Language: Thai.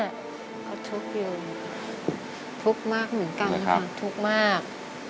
เขาทุกข์อยู่ทุกข์มากเหมือนกันค่ะทุกข์มาก